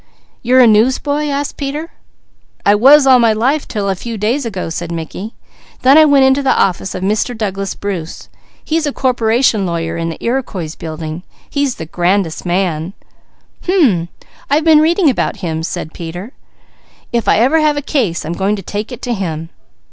"You're a newsboy?" asked Peter. "I was all my life 'til a few days ago," said Mickey. "Then I went into the office of Mr. Douglas Bruce. He's a corporation lawyer in the Iriquois Building." "Hum, I've been reading about him," said Peter. "If I ever have a case, I'm going to take it to him."